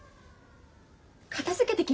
片づけてきます。